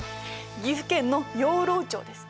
岐阜県の養老町です。